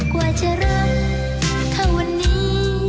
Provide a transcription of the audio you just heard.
กว่าจะเริ่มเข้าวันนี้